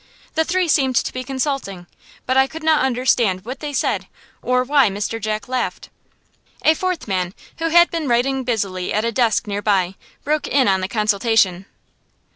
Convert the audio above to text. The three seemed to be consulting, but I could not understand what they said, or why Mr. Jack laughed. A fourth man, who had been writing busily at a desk near by, broke in on the consultation.